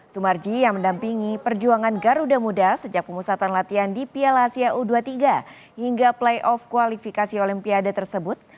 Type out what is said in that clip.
sumarji yang mendampingi perjuangan garuda muda sejak pemusatan latihan di piala asia u dua puluh tiga hingga playoff kualifikasi olimpiade tersebut